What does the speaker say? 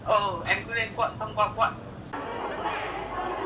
ừ em cứ lên quận tham quan quận